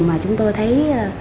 mà chúng tôi thấy